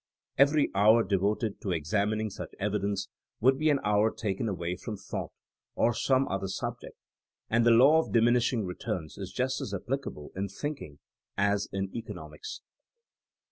Every hour devoted to ex amining such evidence would be an hour taken away from thought on some other subject, and the law of diminishing returns is just as appli cable in thinking as in economics.